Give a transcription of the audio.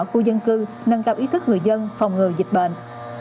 khu dân cư nâng cao ý thức người dân phòng ngừa dịch bệnh